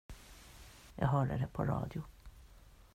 Jag hörde det på radio.